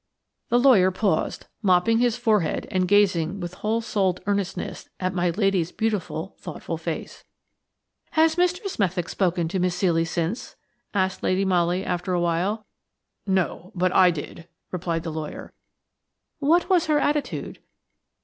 The lawyer paused, mopping his forehead and gazing with whole souled earnestness at my lady's beautiful, thoughtful face. "Has Mr. Smethick spoken to Miss Ceely since?" asked Lady Molly, after a while. "No; but I did," replied the lawyer. "What was her attitude?"